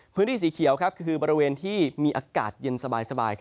พื้นที่สีเขียวคือบริเวณที่มีอากาศเย็นสบาย